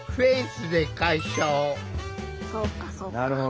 そうかそうか。